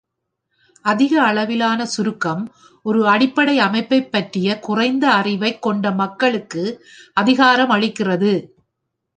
அதிக அளவிலான சுருக்கம் ஒரு அடிப்படை அமைப்பைப் பற்றிய குறைந்த அறிவைக் கொண்ட மக்களுக்கு அதிகாரம் அளிக்கிறது.